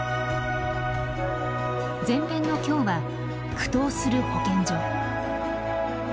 前編の今日は「苦闘する保健所」。